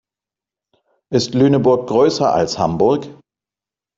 Ist Lüneburg größer als Hamburg?